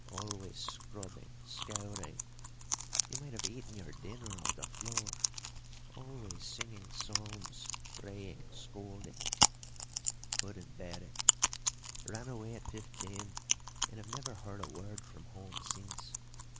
Always scrubbing, scouring you might have eaten your dinner off the floor; always singing psalms praying scolding. Couldn't bear it; ran away at fifteen, and have never heard a word from home since.